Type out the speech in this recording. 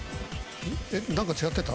何か違ってた？